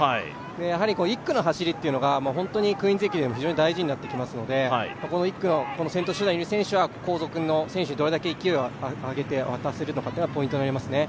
やはり１区の走りというのがクイーンズ駅伝は非常に大事になってきますので、この１区の先頭集団にいる選手は後続の選手にどれだけ勢いを上げて渡せるのかがポイントになりますね。